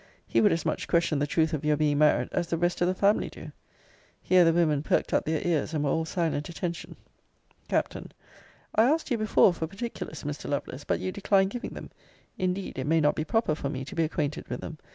He would as much question the truth of your being married, as the rest of the family do. Here the women perked up their ears; and were all silent attention. Capt. I asked you before for particulars, Mr. Lovelace; but you declined giving them. Indeed it may not be proper for me to be acquainted with them.